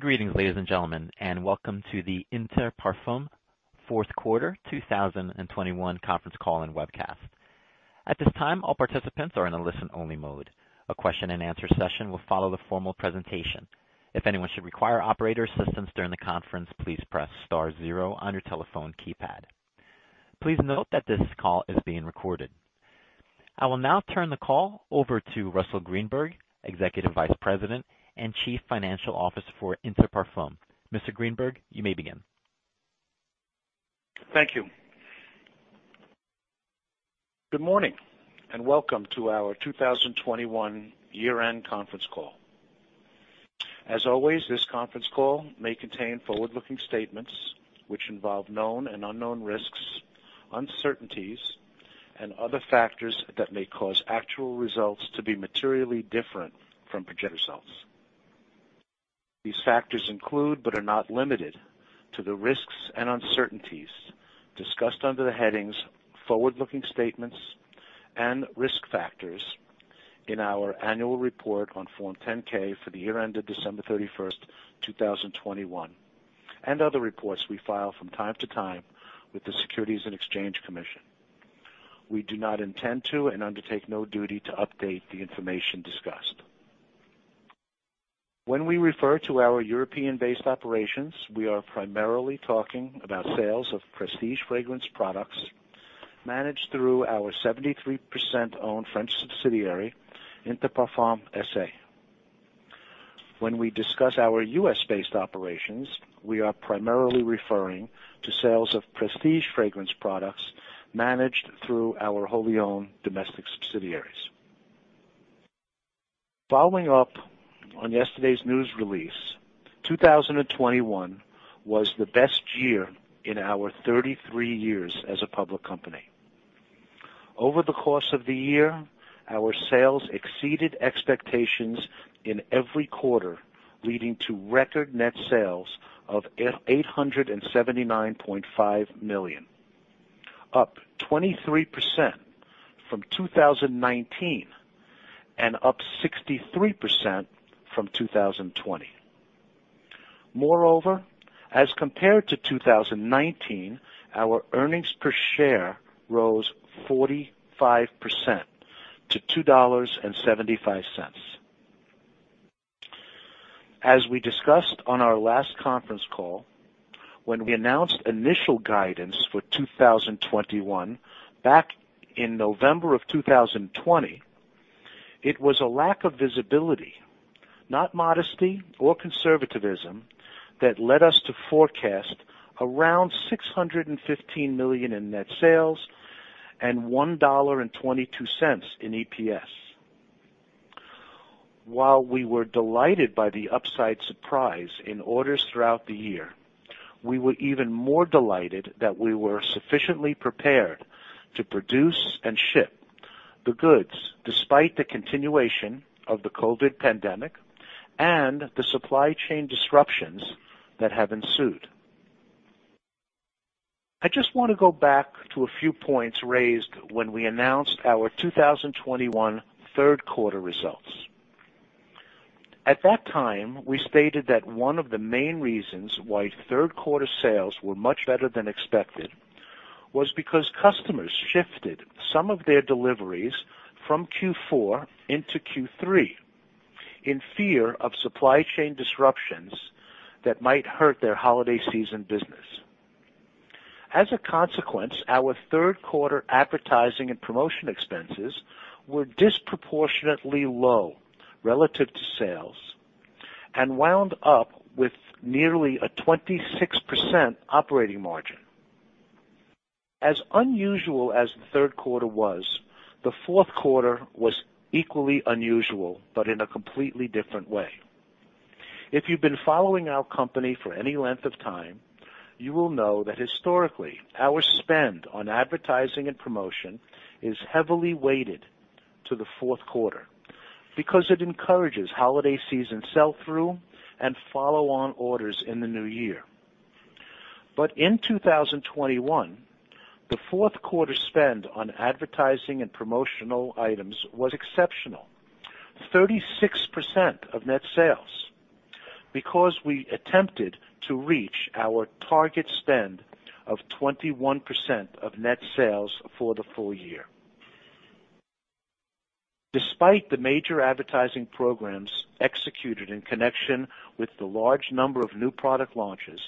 Greetings, ladies and gentlemen, and welcome to the Inter Parfums Fourth Quarter 2021 Conference Call and Webcast. At this time, all participants are in a listen-only mode. A question and answer session will follow the formal presentation. If anyone should require operator assistance during the conference, please press star zero on your telephone keypad. Please note that this call is being recorded. I will now turn the call over to Russell Greenberg, Executive Vice President and Chief Financial Officer for Inter Parfums. Mr. Greenberg, you may begin. Thank you. Good morning and welcome to our 2021 year-end conference call. As always, this conference call may contain forward-looking statements which involve known and unknown risks, uncertainties and other factors that may cause actual results to be materially different from projected results. These factors include, but are not limited to, the risks and uncertainties discussed under the headings "Forward-Looking Statements" and "Risk Factors" in our Annual Report on Form 10-K for the year ended December 31st, 2021 and other reports we file from time to time with the Securities and Exchange Commission. We do not intend to and undertake no duty to update the information discussed. When we refer to our European-based operations, we are primarily talking about sales of prestige fragrance products managed through our 73%-owned French subsidiary, Inter Parfums SA. When we discuss our U.S.-based operations, we are primarily referring to sales of prestige fragrance products managed through our wholly-owned domestic subsidiaries. Following up on yesterday's news release, 2021 was the best year in our 33 years as a public company. Over the course of the year, our sales exceeded expectations in every quarter, leading to record net sales of $879.5 million, up 23% from 2019 and up 63% from 2020. Moreover, as compared to 2019, our earnings per share rose 45% to $2.75. As we discussed on our last conference call when we announced initial guidance for 2021 back in November of 2020, it was a lack of visibility, not modesty or conservatism, that led us to forecast around $615 million in net sales and $1.22 in EPS. While we were delighted by the upside surprise in orders throughout the year, we were even more delighted that we were sufficiently prepared to produce and ship the goods, despite the continuation of the COVID pandemic and the supply chain disruptions that have ensued. I just want to go back to a few points raised when we announced our 2021 third quarter results. At that time, we stated that one of the main reasons why third quarter sales were much better than expected was because customers shifted some of their deliveries from Q4 into Q3 in fear of supply chain disruptions that might hurt their holiday season business. As a consequence, our third quarter advertising and promotion expenses were disproportionately low relative to sales and wound up with nearly a 26% operating margin. As unusual as the third quarter was, the fourth quarter was equally unusual, but in a completely different way. If you've been following our company for any length of time, you will know that historically, our spend on advertising and promotion is heavily weighted to the fourth quarter because it encourages holiday season sell-through and follow-on orders in the new year. In 2021, the fourth quarter spend on advertising and promotional items was exceptional, 36% of net sales because we attempted to reach our target spend of 21% of net sales for the full year. Despite the major advertising programs executed in connection with the large number of new product launches,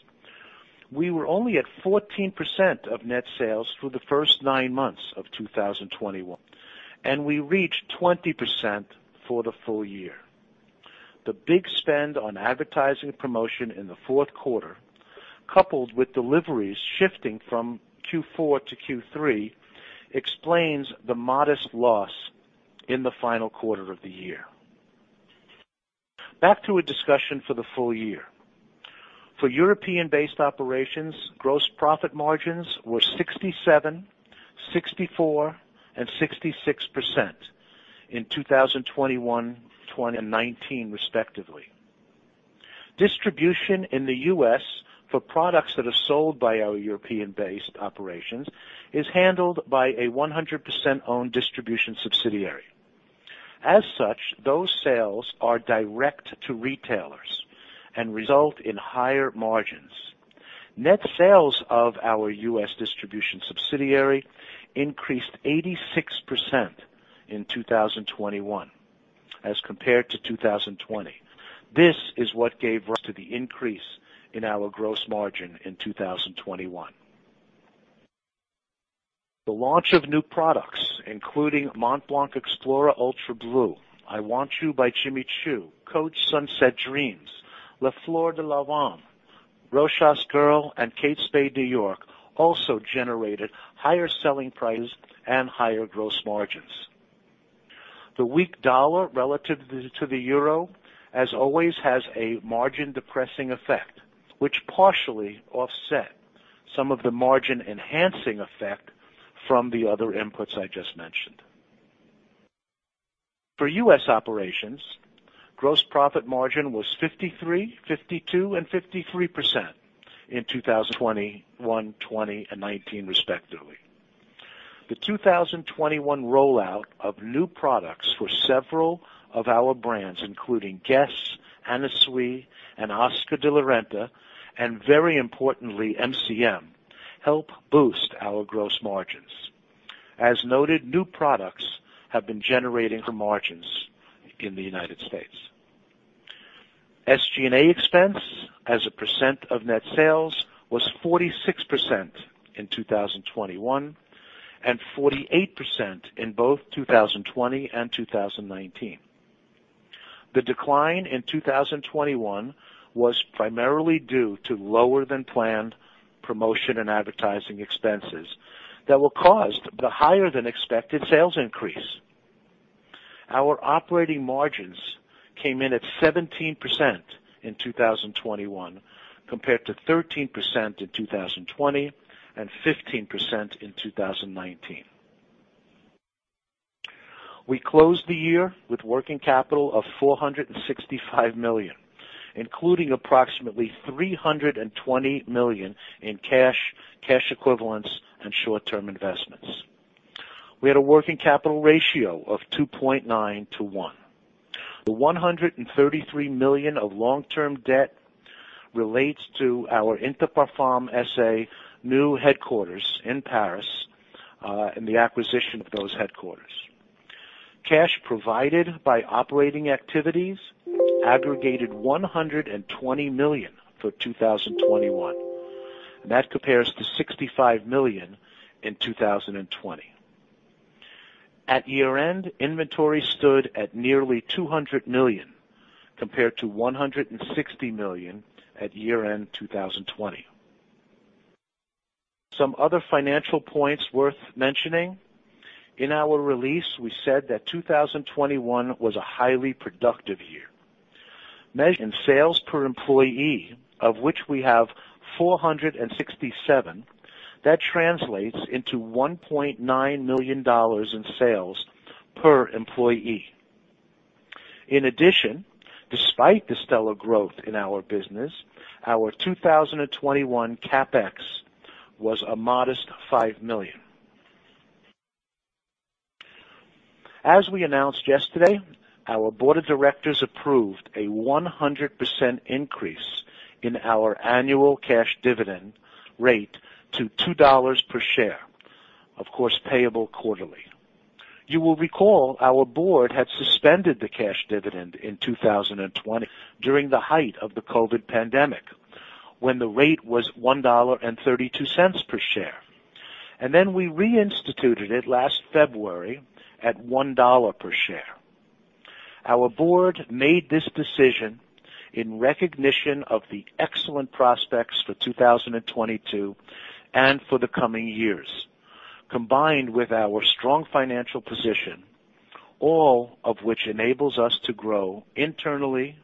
we were only at 14% of net sales for the first nine months of 2021, and we reached 20% for the full year. The big spend on advertising promotion in the fourth quarter, coupled with deliveries shifting from Q4 to Q3, explains the modest loss in the final quarter of the year. Back to a discussion for the full year. For European-based operations, gross profit margins were 67%, 64% and 66% in 2021, 2020 and 2019 respectively. Distribution in the U.S. for products that are sold by our European-based operations is handled by a 100% owned distribution subsidiary. As such, those sales are direct to retailers and result in higher margins. Net sales of our U.S. distribution subsidiary increased 86% in 2021 as compared to 2020. This is what gave rise to the increase in our gross margin in 2021. The launch of new products, including Montblanc Explorer Ultra Blue, I Want Choo by Jimmy Choo, Coach Dreams Sunset, Fleur de Peau, Rochas Girl, and Kate Spade New York, also generated higher selling prices and higher gross margins. The weak dollar relative to the euro, as always, has a margin-depressing effect, which partially offset some of the margin-enhancing effect from the other inputs I just mentioned. For U.S. operations, gross profit margin was 53%, 52%, and 53% in 2021, 2020, and 2019 respectively. The 2021 rollout of new products for several of our brands, including GUESS, Anna Sui, and Oscar de la Renta, and very importantly, MCM, help boost our gross margins. As noted, new products have been generating margins in the United States. SG&A expense as a percent of net sales was 46% in 2021 and 48% in both 2020 and 2019. The decline in 2021 was primarily due to lower-than-planned promotion and advertising expenses that were caused by higher-than-expected sales increase. Our operating margins came in at 17% in 2021, compared to 13% in 2020 and 15% in 2019. We closed the year with working capital of 465 million, including approximately 320 million in cash equivalents, and short-term investments. We had a working capital ratio of 2.9 to 1. The 133 million of long-term debt relates to our Inter Parfums SA new headquarters in Paris, and the acquisition of those headquarters. Cash provided by operating activities aggregated 120 million for 2021, and that compares to 65 million in 2020. At year-end, inventory stood at nearly 200 million compared to 160 million at year-end 2020. Some other financial points worth mentioning. In our release, we said that 2021 was a highly productive year. Measured in sales per employee, of which we have 467, that translates into $1.9 million in sales per employee. In addition, despite the stellar growth in our business, our 2021 CapEx was a modest $5 million. As we announced yesterday, our board of directors approved a 100% increase in our annual cash dividend rate to $2 per share, of course, payable quarterly. You will recall our board had suspended the cash dividend in 2020 during the height of the COVID-19 pandemic, when the rate was $1.32 per share. Then we reinstituted it last February at $1 per share. Our board made this decision in recognition of the excellent prospects for 2022 and for the coming years, combined with our strong financial position, all of which enables us to grow internally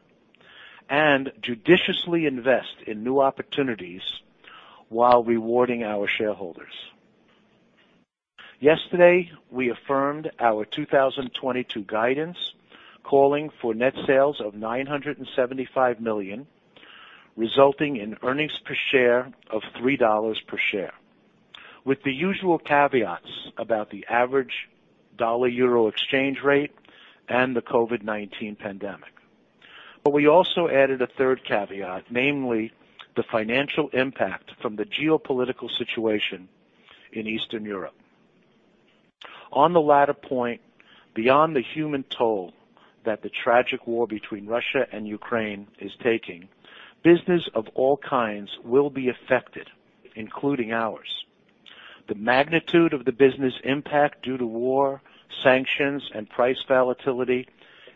and judiciously invest in new opportunities while rewarding our shareholders. Yesterday, we affirmed our 2022 guidance, calling for net sales of $975 million, resulting in earnings per share of $3 per share. With the usual caveats about the average dollar-euro exchange rate and the COVID-19 pandemic. We also added a third caveat, namely, the financial impact from the geopolitical situation in Eastern Europe. On the latter point, beyond the human toll that the tragic war between Russia and Ukraine is taking, business of all kinds will be affected, including ours. The magnitude of the business impact due to war, sanctions, and price volatility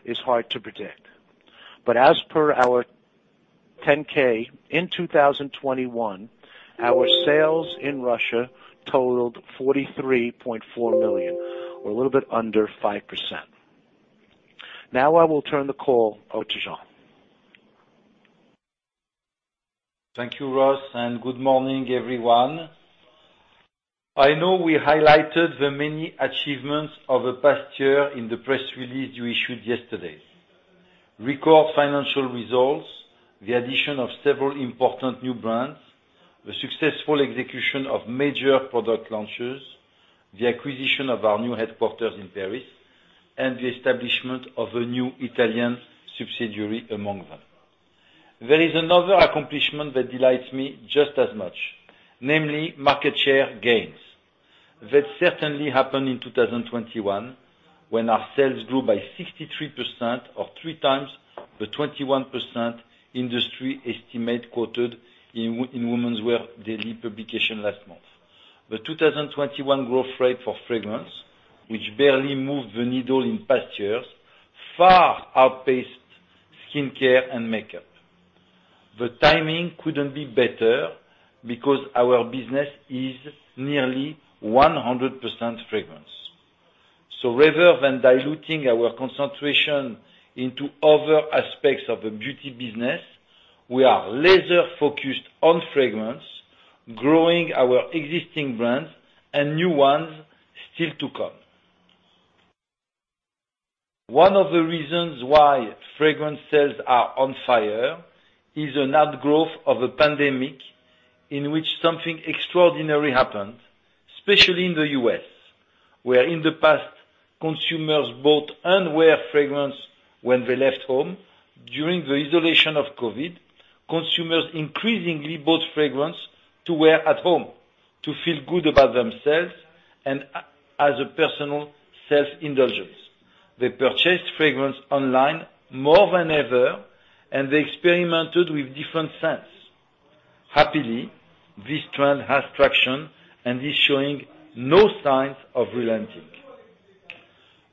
is hard to predict. As per our 10-K in 2021, our sales in Russia totaled $43.4 million or a little bit under 5%. I will turn the call over to Jean. Thank you, Russ, and good morning, everyone. I know we highlighted the many achievements of the past year in the press release we issued yesterday. Record financial results, the addition of several important new brands, the successful execution of major product launches, the acquisition of our new headquarters in Paris, and the establishment of a new Italian subsidiary among them. There is another accomplishment that delights me just as much, namely market share gains. That certainly happened in 2021, when our sales grew by 63% or three times the 21% industry estimate quoted in WWD daily publication last month. The 2021 growth rate for fragrance, which barely moved the needle in past years, far outpaced skincare and makeup. The timing couldn't be better because our business is nearly 100% fragrance. Rather than diluting our concentration into other aspects of the beauty business, we are laser-focused on fragrance, growing our existing brands and new ones still to come. One of the reasons why fragrance sales are on fire is an outgrowth of a pandemic in which something extraordinary happened, especially in the U.S., where in the past, consumers bought and wear fragrance when they left home. During the isolation of COVID-19, consumers increasingly bought fragrance to wear at home, to feel good about themselves, and as a personal self-indulgence. They purchased fragrance online more than ever, and they experimented with different scents. Happily, this trend has traction and is showing no signs of relenting.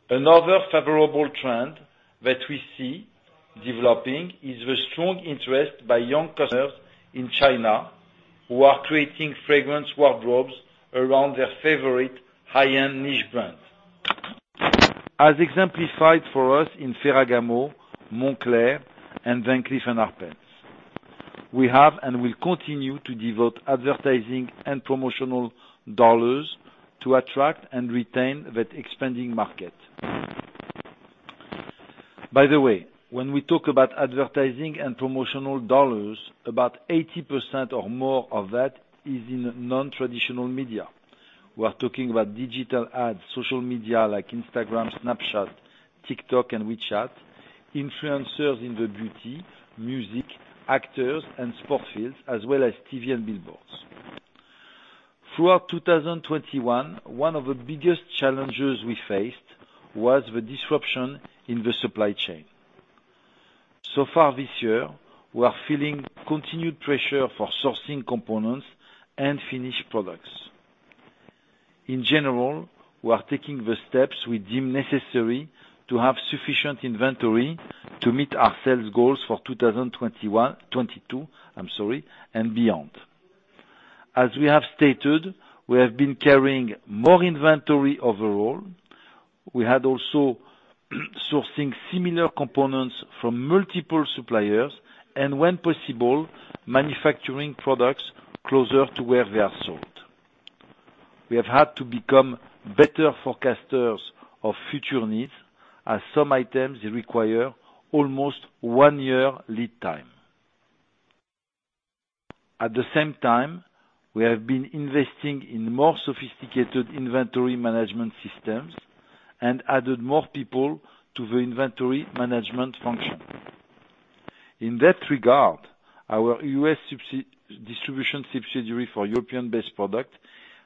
Another favorable trend that we see developing is the strong interest by young customers in China who are creating fragrance wardrobes around their favorite high-end niche brands, as exemplified for us in Ferragamo, Moncler, and Van Cleef & Arpels. We have and will continue to devote advertising and promotional dollars to attract and retain that expanding market. By the way, when we talk about advertising and promotional dollars, about 80% or more of that is in non-traditional media. We're talking about digital ads, social media like Instagram, Snapchat, TikTok, and WeChat, influencers in the beauty, music, actors, and sports fields, as well as TV and billboards. Far this year, we are feeling continued pressure for sourcing components and finished products. In general, we are taking the steps we deem necessary to have sufficient inventory to meet our sales goals for 2021, 2022, I'm sorry, and beyond. As we have stated, we have been carrying more inventory overall. We had also sourcing similar components from multiple suppliers, and when possible, manufacturing products closer to where they are sold. We have had to become better forecasters of future needs, as some items require almost a one-year lead time. At the same time, we have been investing in more sophisticated inventory management systems and added more people to the inventory management function. In that regard, our U.S. distribution subsidiary for European-based product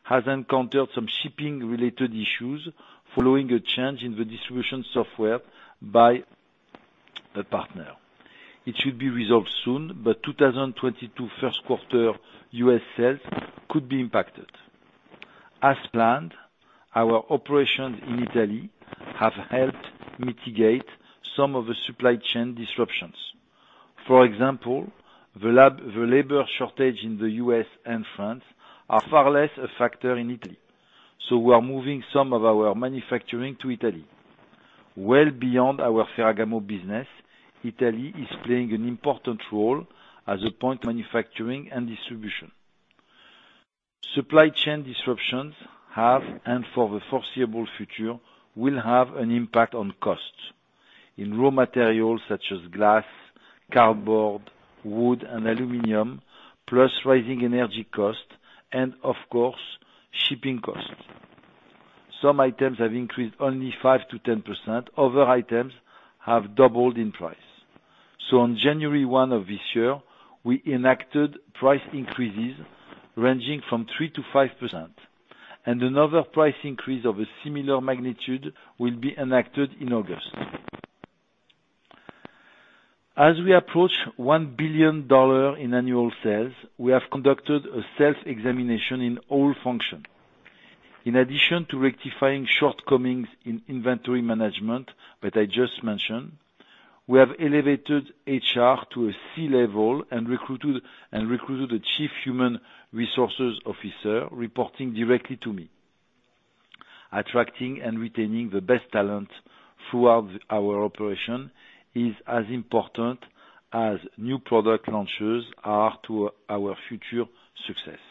has encountered some shipping-related issues following a change in the distribution software by the partner. It should be resolved soon, but 2022 first quarter U.S. sales could be impacted. As planned, our operations in Italy have helped mitigate some of the supply chain disruptions. For example, the labor shortage in the U.S. and France are far less a factor in Italy. We are moving some of our manufacturing to Italy. Well beyond our Ferragamo business, Italy is playing an important role as a point manufacturing and distribution. Supply chain disruptions have, and for the foreseeable future, will have an impact on costs in raw materials such as glass, cardboard, wood, and aluminum, plus rising energy costs, and of course, shipping costs. Some items have increased only 5%-10%; other items have doubled in price. On January 1 of this year, we enacted price increases ranging from 3%-5%, and another price increase of a similar magnitude will be enacted in August. As we approach $1 billion in annual sales, we have conducted a self-examination in all functions. In addition to rectifying shortcomings in inventory management that I just mentioned, we have elevated HR to a C-level and recruited a chief human resources officer reporting directly to me. Attracting and retaining the best talent throughout our operation is as important as new product launches are to our future success.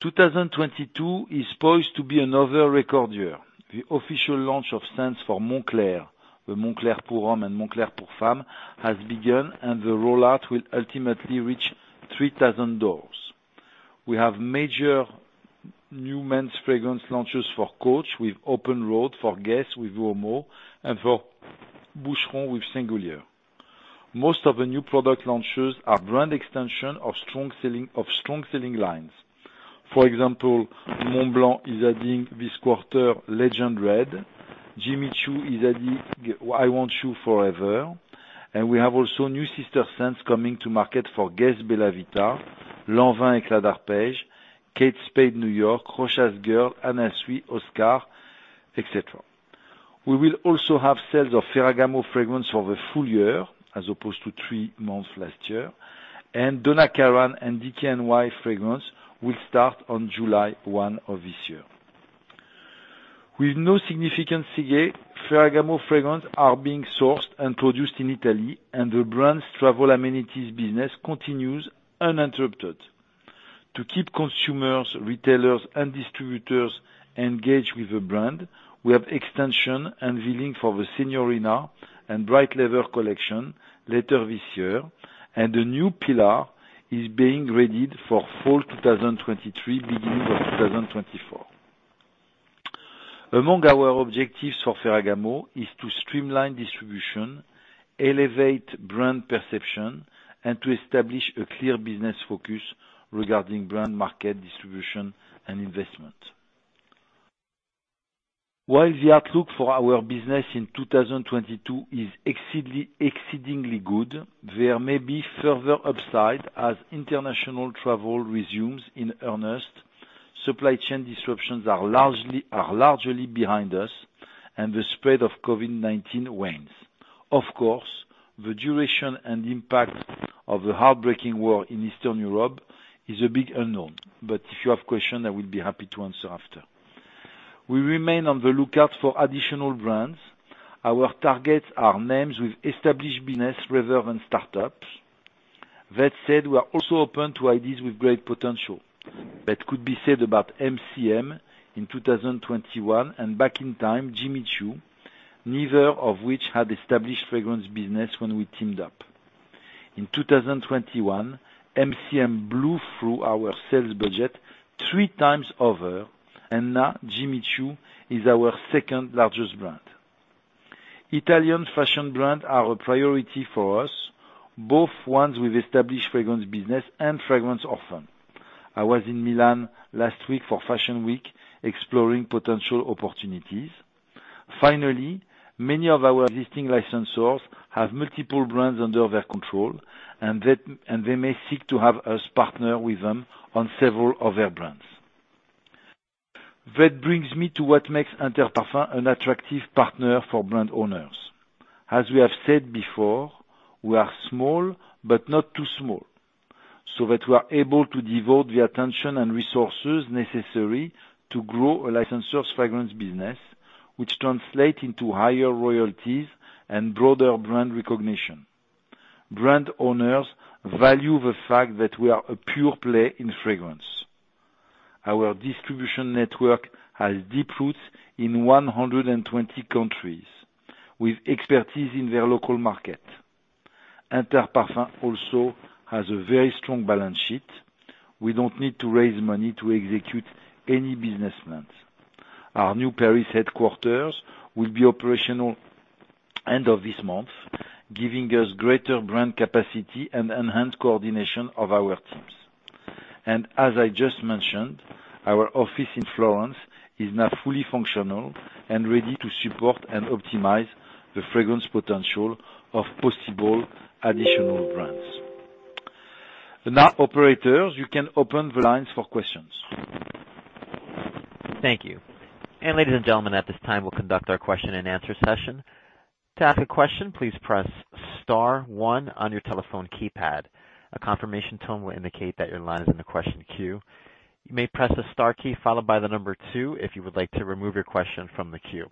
2022 is poised to be another record year. The official launch of scents for Moncler, the Moncler pour Homme and Moncler pour Femme, has begun, and the rollout will ultimately reach 3,000 doors. We have major new men's fragrance launches for Coach with Open Road, for GUESS with Homme, and for Boucheron with Singulier. Most of the new product launches are brand extension of strong-selling lines. For example, Montblanc is adding this quarter Legend Red, Jimmy Choo is adding I Want Choo Forever. We have also new sister scents coming to market for Guess Bella Vita, Lanvin Eclat d'Arpège, Kate Spade New York, Rochas Girl, Anna Sui, Oscar, et cetera. We will also have sales of Ferragamo fragrance for the full year as opposed to three months last year. Donna Karan and DKNY fragrance will start on July 1 of this year. With no significant Ferragamo fragrance are being sourced and produced in Italy, and the brand's travel amenities business continues uninterrupted. To keep consumers, retailers, and distributors engaged with the brand, we have extension unveiling for the Signorina and Bright Leather collection later this year. A new pillar is being readied for fall 2023, beginning of 2024. Among our objectives for Ferragamo is to streamline distribution, elevate brand perception, and to establish a clear business focus regarding brand market distribution and investment. While the outlook for our business in 2022 is exceedingly good, there may be further upside as international travel resumes in earnest, supply chain disruptions are largely behind us, and the spread of COVID-19 wanes. Of course, the duration and impact of the heartbreaking war in Eastern Europe is a big unknown. If you have questions, I will be happy to answer after. We remain on the lookout for additional brands. Our targets are names with established business rather than startups. That said, we are also open to ideas with great potential. That could be said about MCM in 2021, and back in time, Jimmy Choo, neither of which had established fragrance business when we teamed up. In 2021, MCM blew through our sales budget three times over. Now Jimmy Choo is our second-largest brand. Italian fashion brands are a priority for us, both ones with established fragrance business and fragrance often. I was in Milan last week for Fashion Week, exploring potential opportunities. Finally, many of our existing licensors have multiple brands under their control, and they may seek to have us partner with them on several of their brands. That brings me to what makes Inter Parfums an attractive partner for brand owners. As we have said before, we are small, but not too small, so that we are able to devote the attention and resources necessary to grow a licensor's fragrance business, which translate into higher royalties and broader brand recognition. Brand owners value the fact that we are a pure play in fragrance. Our distribution network has deep roots in 120 countries with expertise in their local market. Inter Parfums also has a very strong balance sheet. We don't need to raise money to execute any business plans. Our new Paris headquarters will be operational end of this month, giving us greater brand capacity and enhanced coordination of our teams. As I just mentioned, our office in Florence is now fully functional and ready to support and optimize the fragrance potential of possible additional brands. Now, operators, you can open the lines for questions. Thank you. Ladies and gentlemen, at this time, we'll conduct our question and answer session. To ask a question, please press star one on your telephone keypad. A confirmation tone will indicate that your line is in the question queue. You may press the star key followed by the number 2 if you would like to remove your question from the queue.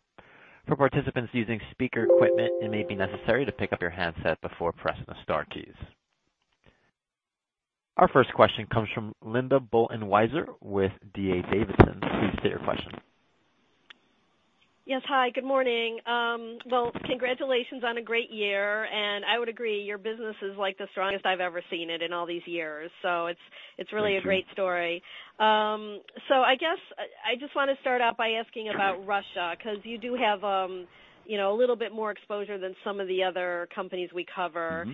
For participants using speaker equipment, it may be necessary to pick up your handset before pressing the star keys. Our first question comes from Linda Bolton-Weiser with D.A. Davidson. Please state your question. Yes. Hi, good morning. Well, congratulations on a great year. I would agree, your business is the strongest I've ever seen it in all these years. Thank you a great story. I guess I just want to start out by asking about Russia, because you do have a little bit more exposure than some of the other companies we cover.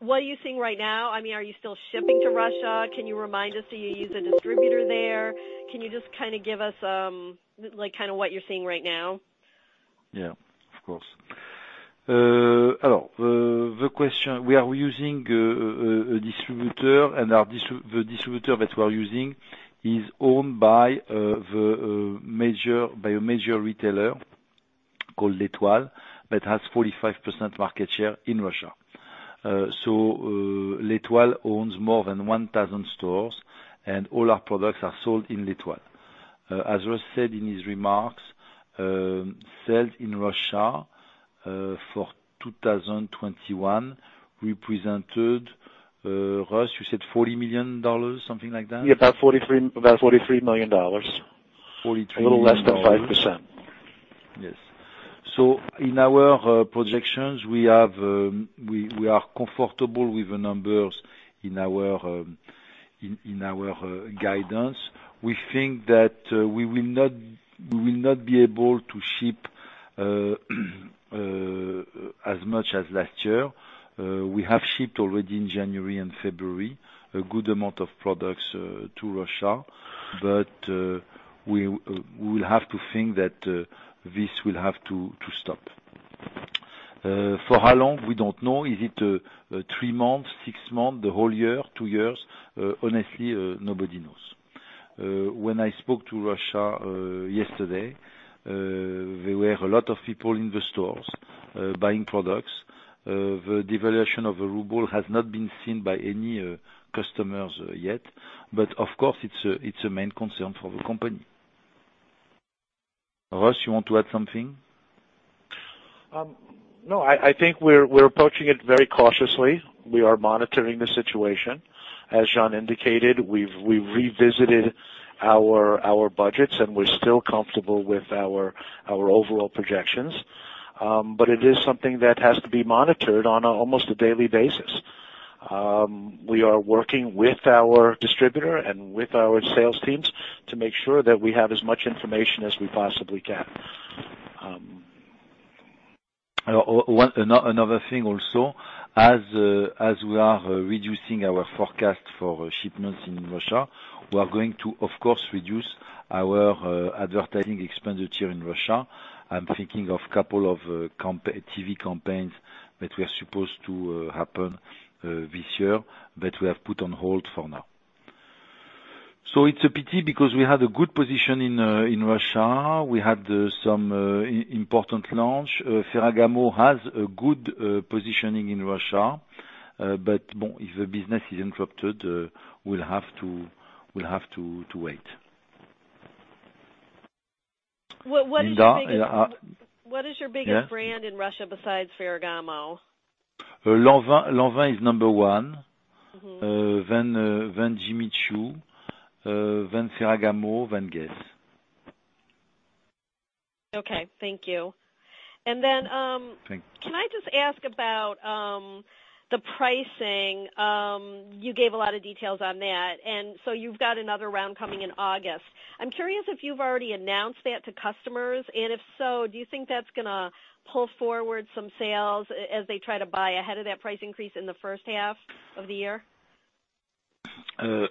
What are you seeing right now? Are you still shipping to Russia? Can you remind us, do you use a distributor there? Can you just kind of give us what you're seeing right now? Yeah. Of course. The question, we are using a distributor, and the distributor that we are using is owned by a major retailer called L'Etoile, that has 45% market share in Russia. L'Etoile owns more than 1,000 stores, and all our products are sold in L'Etoile. As Russ said in his remarks, sales in Russia for 2021 represented, Russ, you said $40 million, something like that? Yeah, about $43 million. $43 million. A little less than 5%. In our projections, we are comfortable with the numbers in our guidance. We think that we will not be able to ship as much as last year. We have shipped already in January and February, a good amount of products to Russia. We will have to think that this will have to stop. For how long, we don't know. Is it three months, six months, the whole year, two years? Honestly, nobody knows. When I spoke to Russia yesterday, there were a lot of people in the stores buying products. The devaluation of the ruble has not been seen by any customers yet. Of course, it's a main concern for the company. Russ, you want to add something? No, I think we're approaching it very cautiously. We are monitoring the situation. As Jean indicated, we've revisited our budgets, and we're still comfortable with our overall projections. It is something that has to be monitored on almost a daily basis. We are working with our distributor and with our sales teams to make sure that we have as much information as we possibly can. Another thing also, as we are reducing our forecast for shipments in Russia, we are going to, of course, reduce our advertising expenditure in Russia. I'm thinking of couple of TV campaigns that were supposed to happen this year that we have put on hold for now. It's a pity because we had a good position in Russia. We had some important launch. Ferragamo has a good positioning in Russia. If the business is interrupted, we'll have to wait. What is your biggest- Yeah. -brand in Russia besides Ferragamo? Lanvin is number one. Jimmy Choo, then Ferragamo, then Guess. Okay. Thank you. Thank you. Can I just ask about the pricing? You gave a lot of details on that, and so you've got another round coming in August. I'm curious if you've already announced that to customers, and if so, do you think that's going to pull forward some sales as they try to buy ahead of that price increase in the first half of the year? This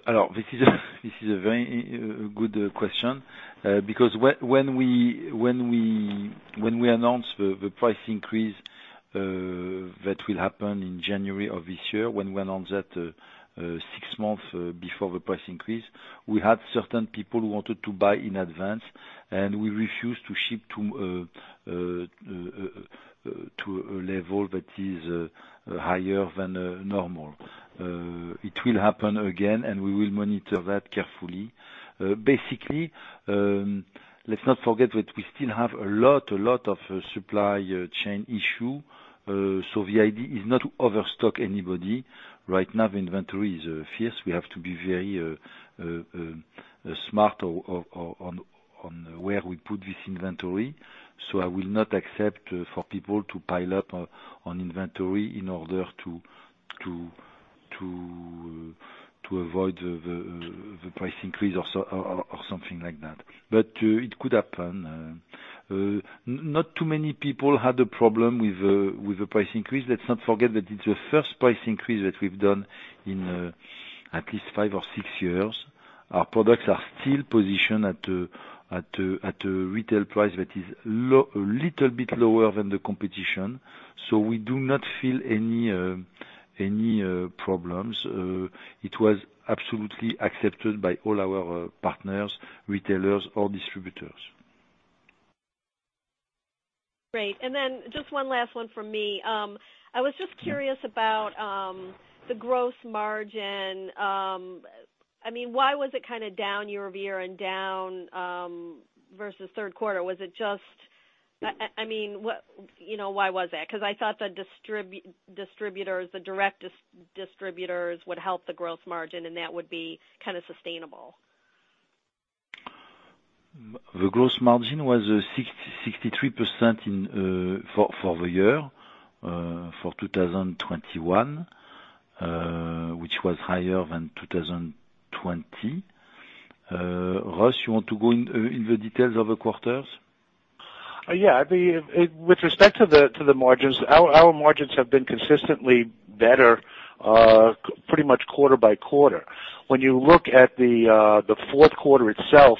is a very good question. When we announced the price increase that will happen in January of this year, when we announced that six months before the price increase, we had certain people who wanted to buy in advance, and we refused to ship to a level that is higher than normal. It will happen again, and we will monitor that carefully. Basically, let's not forget that we still have a lot of supply chain issue. The idea is not to overstock anybody. Right now, the inventory is fierce. We have to be very smart on where we put this inventory. I will not accept for people to pile up on inventory in order to avoid the price increase or something like that. It could happen. Not too many people had a problem with the price increase. Let's not forget that it's the first price increase that we've done in at least five or six years. Our products are still positioned at a retail price that is a little bit lower than the competition. We do not feel any problems. It was absolutely accepted by all our partners, retailers, or distributors. Great. Just one last one from me. I was just curious about the gross margin. Why was it down year-over-year and down versus third quarter? Why was that? I thought the direct distributors would help the gross margin, and that would be sustainable. The gross margin was 63% for the year, for 2021, which was higher than 2020. Russ, you want to go in the details of the quarters? With respect to the margins, our margins have been consistently better pretty much quarter-by-quarter. When you look at the fourth quarter itself,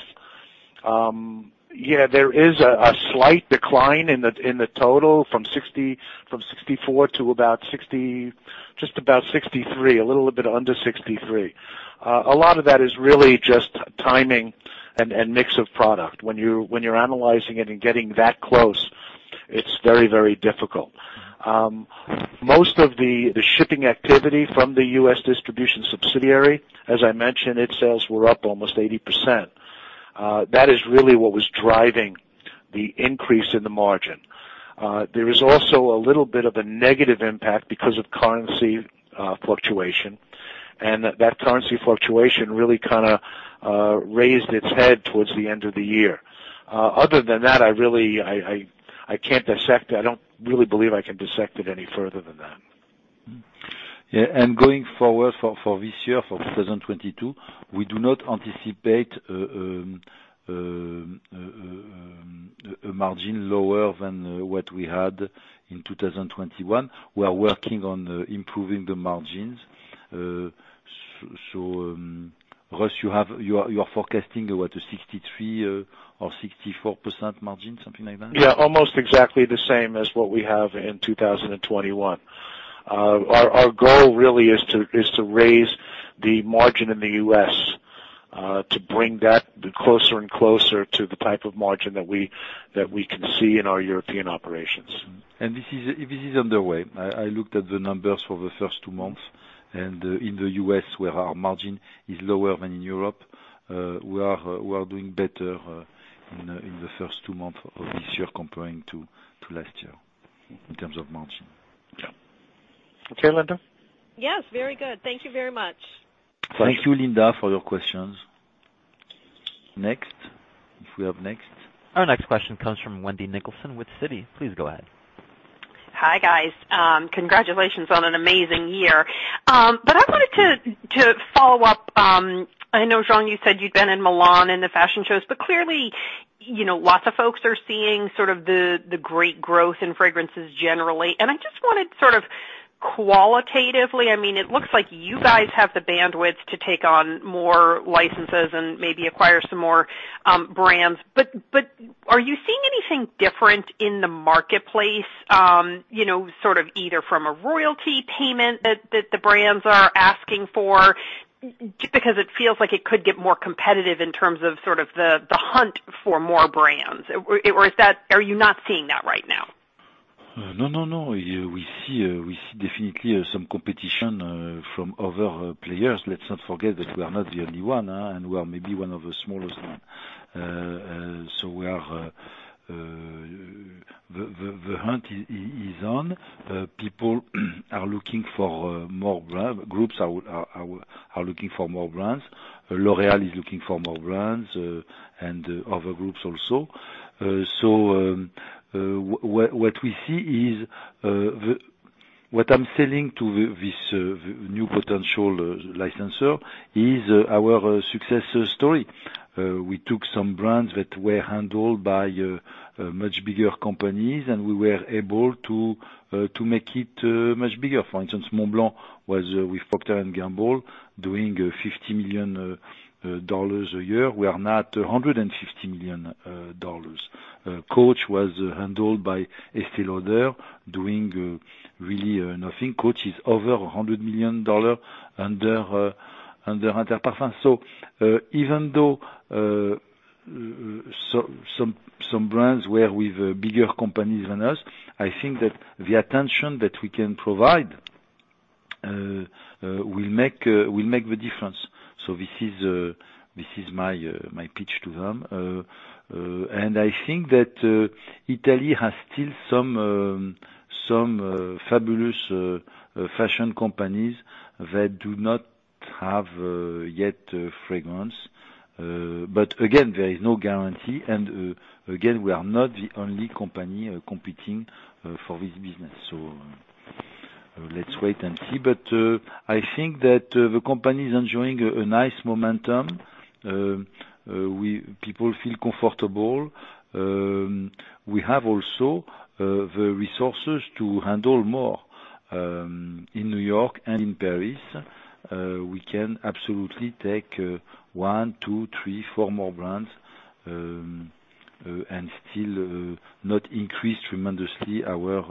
there is a slight decline in the total from 64 to just about 63, a little bit under 63. A lot of that is really just timing and mix of product. When you're analyzing it and getting that close, it's very difficult. Most of the shipping activity from the U.S. distribution subsidiary, as I mentioned, its sales were up almost 80%. That is really what was driving the increase in the margin. There is also a little bit of a negative impact because of currency fluctuation. That currency fluctuation really kind of raised its head towards the end of the year. Other than that, I don't really believe I can dissect it any further than that. Yeah, going forward for this year, for 2022, we do not anticipate a margin lower than what we had in 2021. We are working on improving the margins. Russ, you are forecasting, what, a 63% or 64% margin, something like that? Yeah, almost exactly the same as what we have in 2021. Our goal really is to raise the margin in the U.S. to bring that closer and closer to the type of margin that we can see in our European operations. This is underway. I looked at the numbers for the first two months, and in the U.S., where our margin is lower than in Europe, we are doing better in the first two months of this year compared to last year in terms of margin. Yeah. Okay, Linda? Yes. Very good. Thank you very much. Thank you, Linda, for your questions. Next. If we have next. Our next question comes from Wendy Nicholson with Citi. Please go ahead. Hi, guys. Congratulations on an amazing year. I wanted to follow up. I know, Jean, you said you'd been in Milan in the fashion shows, clearly, lots of folks are seeing sort of the great growth in fragrances generally. I just wanted to sort of qualitatively, it looks like you guys have the bandwidth to take on more licenses and maybe acquire some more brands. Are you seeing anything different in the marketplace, sort of either from a royalty payment that the brands are asking for? Because it feels like it could get more competitive in terms of sort of the hunt for more brands, or are you not seeing that right now? No. We see definitely some competition from other players. Let's not forget that we are not the only one, and we are maybe one of the smallest ones. The hunt is on. People are looking for more brands. Groups are looking for more brands. L'Oréal is looking for more brands and other groups also. What I'm selling to this new potential licensor is our success story. We took some brands that were handled by much bigger companies, and we were able to make it much bigger. For instance, Montblanc was with Procter & Gamble, doing $50 million a year. We are now at $150 million. Coach was handled by The Estée Lauder Companies Inc., doing really nothing. Coach is over $100 million under Inter Parfums. Even though some brands were with bigger companies than us, I think that the attention that we can provide will make the difference. This is my pitch to them. I think that Italy has still some fabulous fashion companies that do not have yet fragrance. Again, there is no guarantee, and again, we are not the only company competing for this business. Let's wait and see. I think that the company's enjoying a nice momentum. People feel comfortable. We have also the resources to handle more in New York and in Paris. We can absolutely take one, two, three, four more brands, and still not increase tremendously our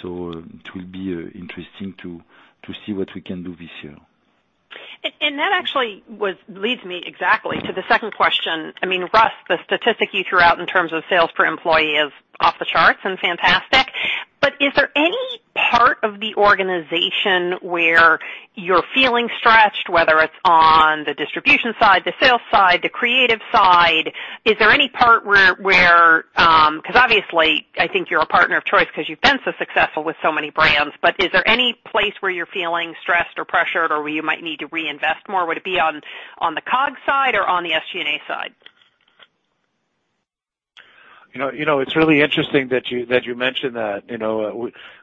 G&A. It will be interesting to see what we can do this year. That actually leads me exactly to the second question. Russ, the statistic you threw out in terms of sales per employee is off the charts and fantastic. Is there any part of the organization where you're feeling stretched, whether it's on the distribution side, the sales side, the creative side? Is there any part where because obviously, I think you're a partner of choice because you've been so successful with so many brands, but is there any place where you're feeling stressed or pressured or where you might need to reinvest more? Would it be on the COGS side or on the SG&A side? It's really interesting that you mention that.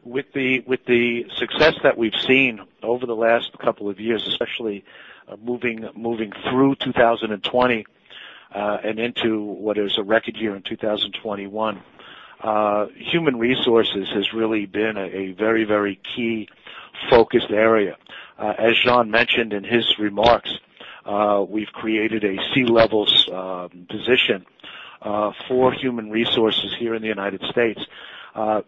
With the success that we've seen over the last couple of years, especially moving through 2020, and into what is a record year in 2021, human resources has really been a very key focused area. As Jean mentioned in his remarks, we've created a C-level position for human resources here in the United States.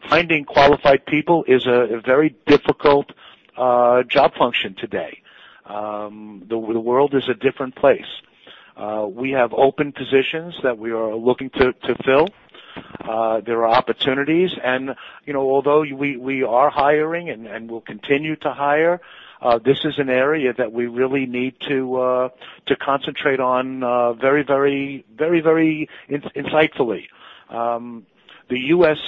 Finding qualified people is a very difficult job function today. The world is a different place. We have open positions that we are looking to fill. There are opportunities and although we are hiring and will continue to hire, this is an area that we really need to concentrate on very insightfully.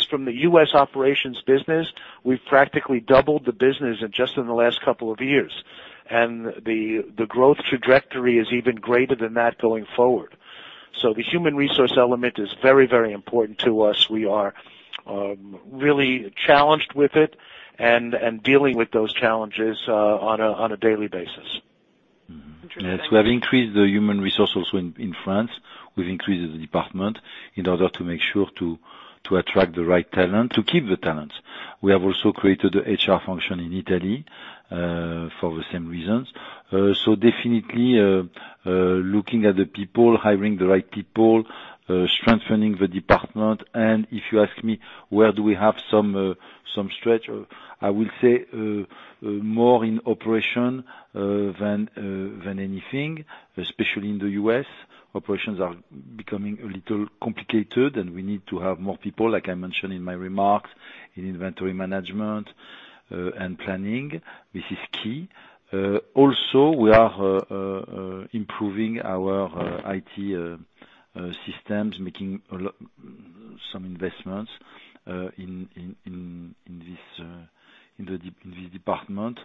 From the U.S. operations business, we've practically doubled the business just in the last couple of years, and the growth trajectory is even greater than that going forward. The human resource element is very important to us. We are really challenged with it and dealing with those challenges on a daily basis. Interesting. Yes, we have increased the human resource also in France. We've increased the department in order to make sure to attract the right talent, to keep the talent. We have also created the HR function in Italy, for the same reasons. Definitely, looking at the people, hiring the right people, strengthening the department. If you ask me, where do we have some stretch, I will say, more in operation than anything, especially in the U.S. Operations are becoming a little complicated, and we are need to have more people, like I mentioned in my remarks, in inventory management and planning. This is key. Also, we are improving our IT systems, making some investments in this department.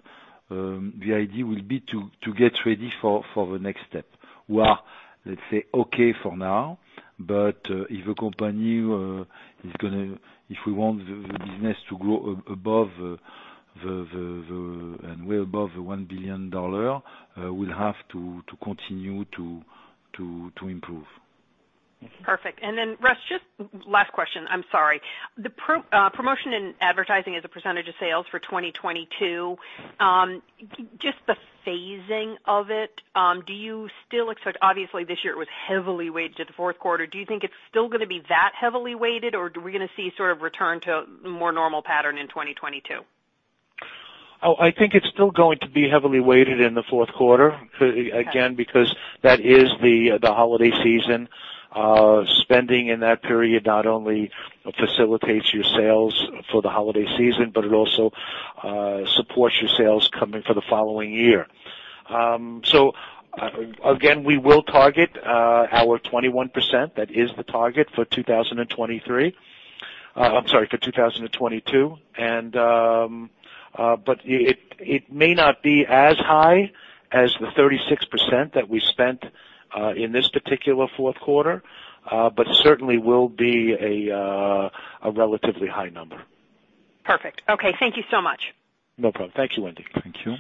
The idea will be to get ready for the next step. We are, let's say, okay for now, if we want the business to grow above and way above the 1 billion EUR, we'll have to continue to improve. Okay. Perfect. Russ, just last question. I'm sorry. The promotion in advertising as a percentage of sales for 2022. Just the phasing of it. Obviously this year it was heavily weighted to the fourth quarter. Do you think it's still going to be that heavily weighted or are we going to see sort of return to more normal pattern in 2022? Oh, I think it's still going to be heavily weighted in the fourth quarter. Again, because that is the holiday season. Spending in that period not only facilitates your sales for the holiday season, but it also supports your sales coming for the following year. Again, we will target our 21%. That is the target for 2023. I'm sorry, for 2022. It may not be as high as the 36% that we spent in this particular fourth quarter. Certainly will be a relatively high number. Perfect. Okay. Thank you so much. No problem. Thank you, Wendy. Thank you.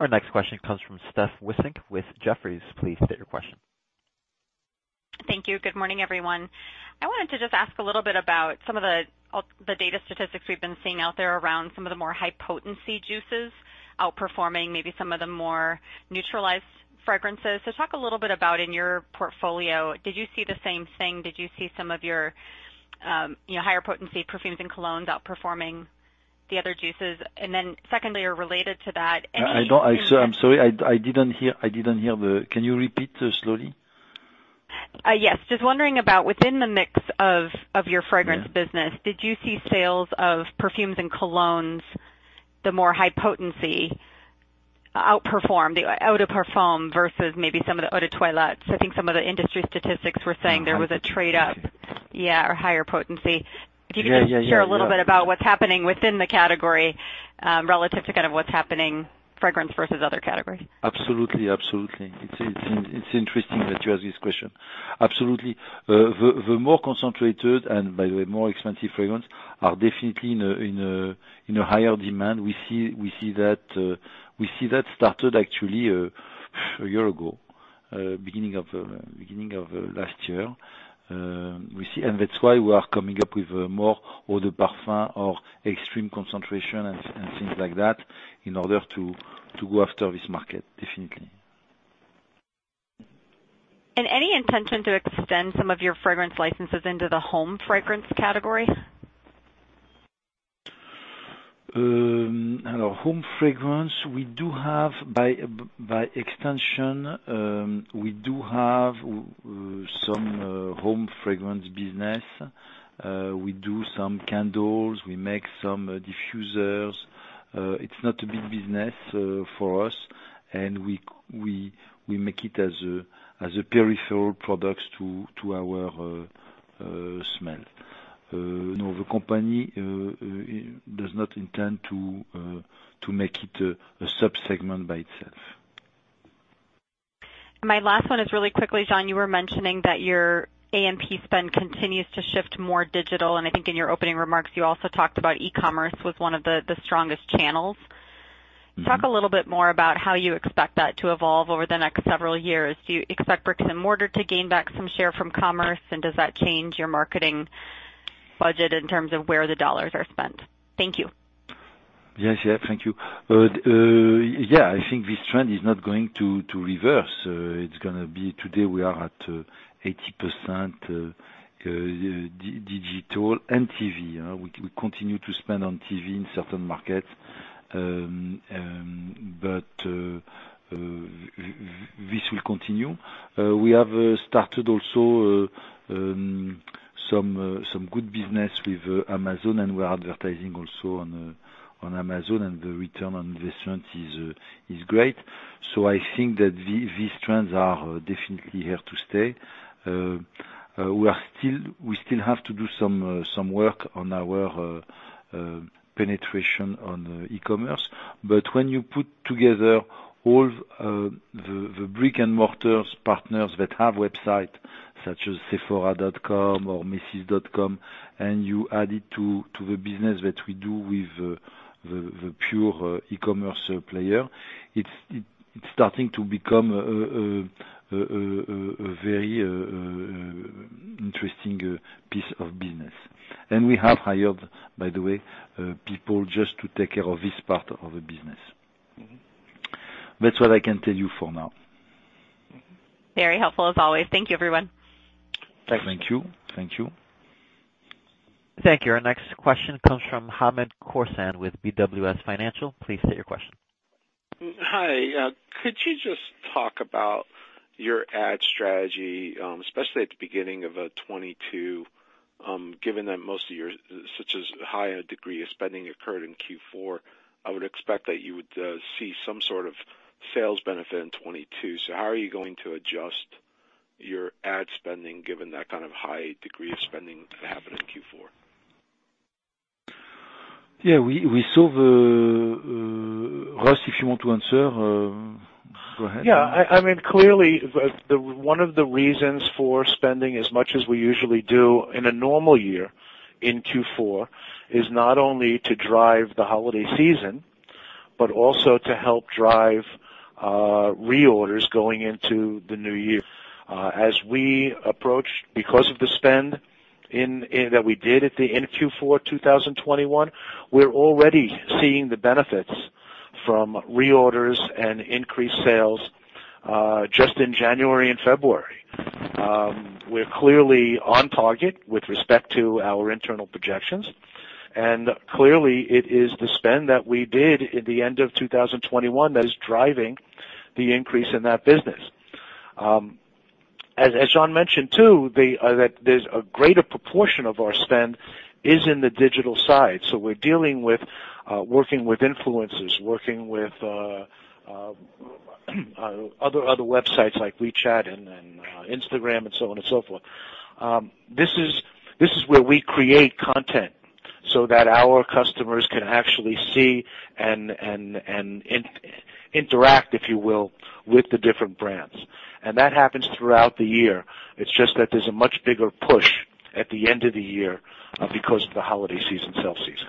Our next question comes from Steph Wissink with Jefferies. Please state your question. Thank you. Good morning, everyone. I wanted to just ask a little bit about some of the data statistics we've been seeing out there around some of the more high potency juices outperforming maybe some of the more neutralized fragrances. Talk a little bit about in your portfolio, did you see the same thing? Did you see some of your higher potency perfumes and colognes outperforming the other juices? Secondly, or related to that, any- I'm sorry, I didn't hear. Can you repeat slowly? Yes. Just wondering about within the mix of your fragrance- Yeah business, did you see sales of perfumes and colognes, the more high potency, outperform the eau de parfum versus maybe some of the eau de toilettes? I think some of the industry statistics were saying there was a trade up. Higher potency. Yeah, or higher potency. Yeah. If you could just share a little bit about what's happening within the category, relative to kind of what's happening fragrance versus other categories. Absolutely. It's interesting that you ask this question. Absolutely. The more concentrated, and by the way, more expensive fragrance, are definitely in a higher demand. We see that started actually a year ago, beginning of last year. That's why we are coming up with more eau de parfum or extreme concentration and things like that in order to go after this market, definitely. Any intention to extend some of your fragrance licenses into the home fragrance category? Home fragrance, by extension, we do have some home fragrance business. We do some candles. We make some diffusers. It's not a big business for us, and we make it as a peripheral product to our smell. No, the company does not intend to make it a sub-segment by itself. My last one is really quickly, Jean, you were mentioning that your A&P spend continues to shift more digital, I think in your opening remarks, you also talked about e-commerce was one of the strongest channels. Talk a little bit more about how you expect that to evolve over the next several years. Do you expect brick-and-mortar to gain back some share from commerce, and does that change your marketing budget in terms of where the dollars are spent? Thank you. Yes. Thank you. I think this trend is not going to reverse. It's going to be today, we are at 80% digital and TV. We continue to spend on TV in certain markets. This will continue. We have started also some good business with Amazon, We're advertising also on Amazon, The return on investment is great. I think that these trends are definitely here to stay. We still have to do some work on our penetration on e-commerce. When you put together all the brick-and-mortars partners that have website such as sephora.com or macys.com, you add it to the business that we do with the pure e-commerce player, it's starting to become a very interesting piece of business. We have hired, by the way, people just to take care of this part of the business. That's what I can tell you for now. Very helpful as always. Thank you, everyone. Thank you. Thank you. Our next question comes from Hamed Khorsand with BWS Financial. Please state your question. Hi. Could you just talk about your ad strategy, especially at the beginning of 2022, given that most of your higher degree of spending occurred in Q4, I would expect that you would see some sort of sales benefit in 2022. How are you going to adjust your ad spending given that kind of high degree of spending that happened in Q4? Yeah. Russ, if you want to answer, go ahead. Clearly, one of the reasons for spending as much as we usually do in a normal year in Q4 is not only to drive the holiday season, but also to help drive reorders going into the new year. As we approach, because of the spend that we did at the end of Q4 2021, we're already seeing the benefits from reorders and increased sales just in January and February. We're clearly on target with respect to our internal projections, and clearly it is the spend that we did at the end of 2021 that is driving the increase in that business. As Jean mentioned, too, that there's a greater proportion of our spend is in the digital side. We're dealing with working with influencers, working with other websites like WeChat and Instagram and so on and so forth. This is where we create content so that our customers can actually see and interact, if you will, with the different brands. That happens throughout the year. It's just that there's a much bigger push at the end of the year, because of the holiday season, sales season.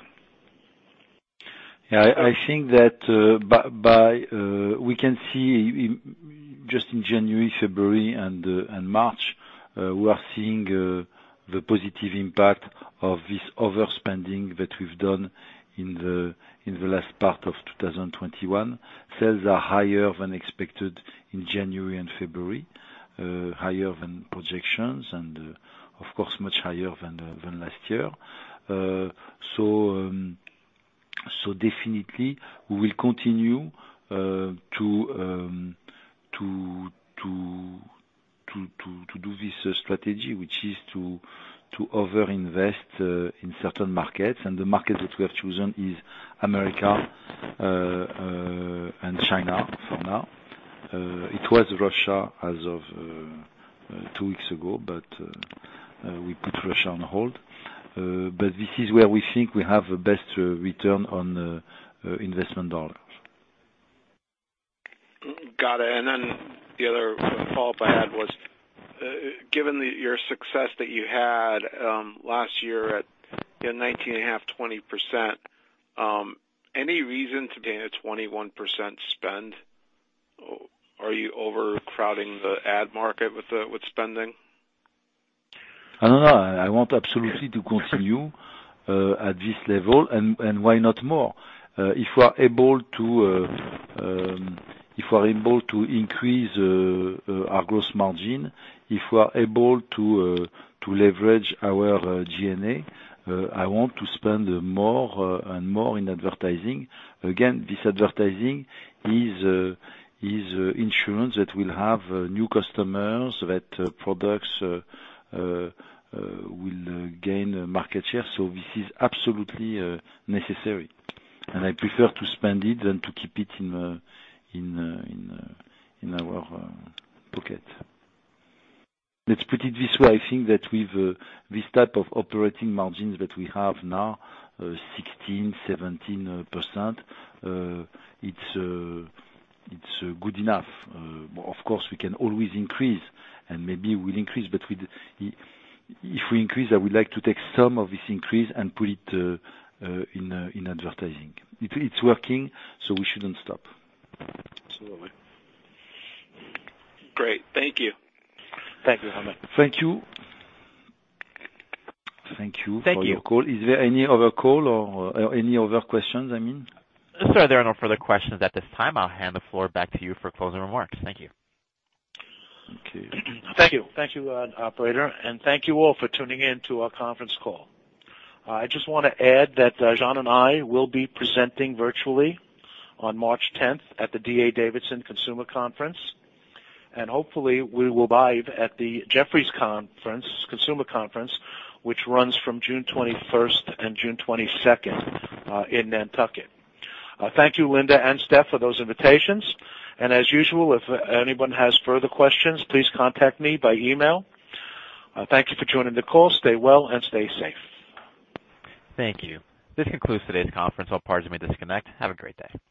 I think that we can see just in January, February, and March, we are seeing the positive impact of this overspending that we've done in the last part of 2021. Sales are higher than expected in January and February, higher than projections, and of course, much higher than last year. Definitely we will continue to do this strategy, which is to over-invest in certain markets, and the market that we have chosen is America and China for now. It was Russia as of two weeks ago, but we put Russia on hold. This is where we think we have the best return on investment dollar. Got it. The other follow-up I had was, given your success that you had last year at 19.5%, 20%, any reason to gain a 21% spend? Are you overcrowding the ad market with spending? I don't know. I want absolutely to continue at this level, and why not more? If we're able to increase our gross margin, if we're able to leverage our G&A, I want to spend more and more in advertising. This advertising is insurance that we'll have new customers, that products will gain market share. This is absolutely necessary, and I prefer to spend it than to keep it in our pocket. Let's put it this way. I think that with this type of operating margins that we have now, 16%-17%, it's good enough. Of course, we can always increase, and maybe we'll increase. If we increase, I would like to take some of this increase and put it in advertising. It's working, we shouldn't stop. Absolutely. Great. Thank you. Thank you, Hamed. Thank you. Thank you for your call. Thank you. Is there any other call or any other questions, I mean? Sir, there are no further questions at this time. I'll hand the floor back to you for closing remarks. Thank you. Okay. Thank you. Thank you, operator, and thank you all for tuning in to our conference call. I just want to add that Jean and I will be presenting virtually on March 10th at the D.A. Davidson Consumer Conference, and hopefully we will be live at the Jefferies Consumer Conference, which runs from June 21st and June 22nd in Nantucket. Thank you, Linda and Steph, for those invitations. As usual, if anyone has further questions, please contact me by email. Thank you for joining the call. Stay well and stay safe. Thank you. This concludes today's conference. All parties may disconnect. Have a great day.